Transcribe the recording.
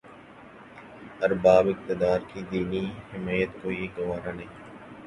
اربابِ اقتدارکی دینی حمیت کو یہ گوارا نہیں